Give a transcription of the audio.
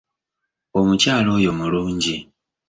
Omukyala oyo mulungi.